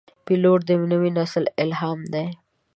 پیلوټ د نوي نسل الهام دی.